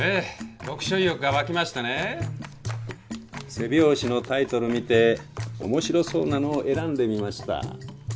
背表紙のタイトル見て面白そうなのを選んでみました。